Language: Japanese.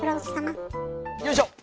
よいしょ！